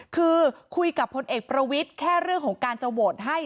คือคุยกับพลเอกประวิทย์แค่เรื่องของการจะโหวตให้